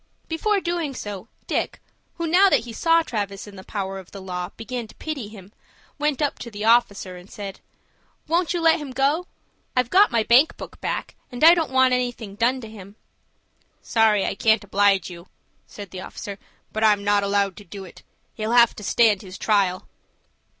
Before doing so, Dick, who now that he saw Travis in the power of the law began to pity him, went up to the officer, and said,— "Won't you let him go? I've got my bank book back, and I don't want anything done to him." "Sorry I can't oblige you," said the officer; "but I'm not allowed to do it. He'll have to stand his trial."